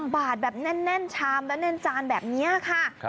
บาทแบบแน่นชามและแน่นจานแบบนี้ค่ะ